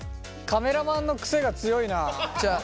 カメラマンの癖が強いなあ。